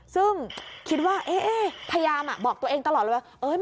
ซึ่งคิดว่าพยายามบอกตัวเองตลอดเลยว่า